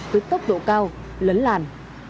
với tốc độ cao lấn làn